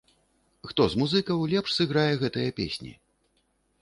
Хто з музыкаў лепш сыграе гэтыя песні?